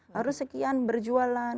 harus sekian berjualan